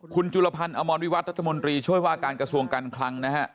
คุณจุลพันธ์อมรวิวัตรรัฐมนตรีช่วยว่าการกระทรวงการคลังนะฮะ